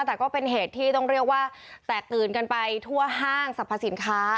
แต่ก็เป็นเหตุที่ต้องเรียกว่าแตกตื่นกันไปทั่วห้างสรรพสินค้า